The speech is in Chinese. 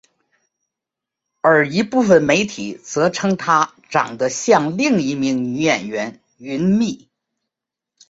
而一部分媒体则称她长得像另一名女演员坛蜜。